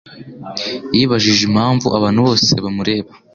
yibajije impamvu abantu bose bamureba.